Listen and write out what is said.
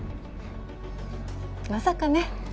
まさかね。